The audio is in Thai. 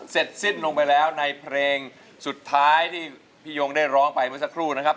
เสร็จสิ้นลงไปแล้วในเพลงสุดท้ายที่พี่โยงได้ร้องไปเมื่อสักครู่นะครับ